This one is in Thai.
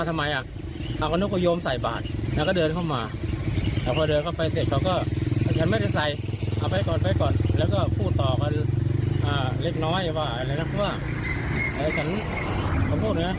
ท่านหยอกเปล่าไงลองฟังท่านดูครับ